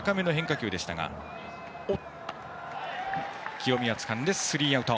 清宮がつかんでスリーアウト。